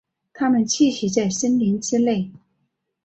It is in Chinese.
它们栖息在森林之内。